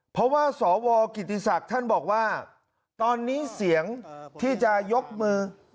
เพราะว่าสวกิติศักดิ์ท่านบอกว่าตอนนี้เสียงที่จะยกมือ